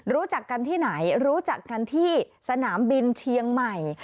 รู้จักกันที่ไหนรู้จักกันที่สนามบินเชียงใหม่